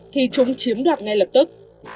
thì chúng chiếm đoạt ngay lập tức